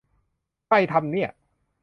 ใครทำเนี่ย